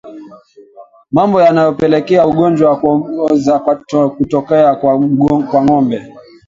Mambo yanayopelekea ugonjwa wa kuoza kwato kutokea kwa ngombe